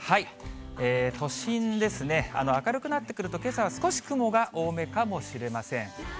都心ですね、明るくなってくると、けさは少し雲が多めかもしれません。